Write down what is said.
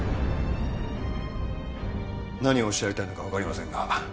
何をおっしゃりたいのかわかりませんが。